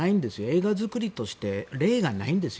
映画作りとして例がないんです。